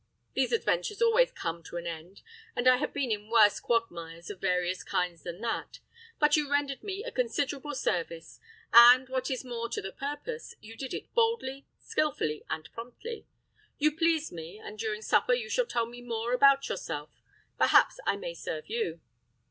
These adventures always come to an end, and I have been in worse quagmires of various kinds than that; but you rendered me a considerable service, and, what is more to the purpose, you did it boldly, skillfully, and promptly. You pleased me, and during supper you shall tell me more about yourself. Perhaps I may serve you."